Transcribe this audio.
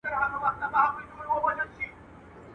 د خوشالۍ ياران ډېر وي.